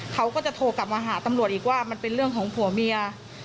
เขาก็จะโทรกลับมาหาตำรวจอีกว่ามันเป็นเรื่องของผัวเมีย